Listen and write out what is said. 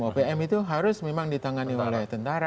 opm itu harus memang ditangani oleh tentara